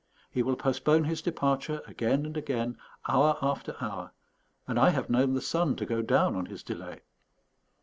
He will postpone his departure again and again, hour after hour; and I have known the sun to go down on his delay.